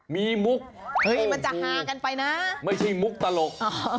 มีมุกเฮ้ยมันจะฮากันไปนะไม่ใช่มุกตลก